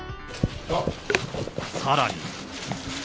さらに。